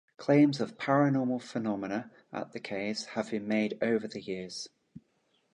Claims of paranormal phenomena at the caves have been made over the years.